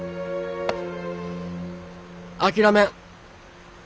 諦めん。